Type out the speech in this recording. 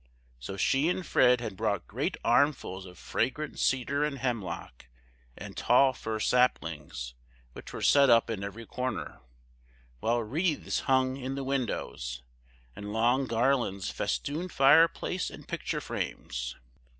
So she and Fred had brought great armfuls of fragrant cedar and hemlock, and tall fir saplings, which were set up in every corner, while wreaths hung in the windows, and long garlands festooned fireplace and picture frames.